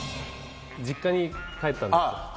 実家に帰ったんですよ。